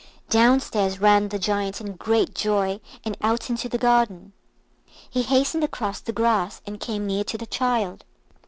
Downstairs ran the Giant in great joy, and out into the garden. He hastened across the grass, and came near to the child.